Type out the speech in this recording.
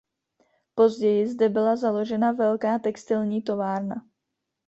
Později zde byla založena velká textilní továrna.